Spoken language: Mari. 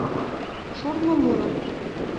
Шурмо муро